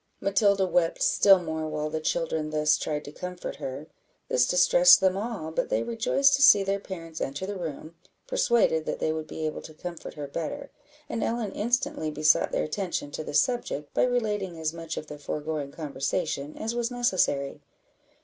Matilda wept still more while the children thus tried to comfort her. This distressed them all; but they rejoiced to see their parents enter the room, persuaded that they would be able to comfort her better, and Ellen instantly besought their attention to the subject by relating as much of the foregoing conversation as was necessary.